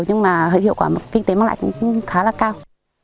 nhưng mà hiệu quả kinh tế mang lại cũng khá là cao